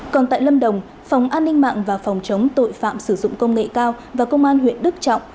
còn tại lâm đồng phòng an ninh mạng và phòng chống tội phạm sử dụng công nghệ cao và công an huyện đức trọng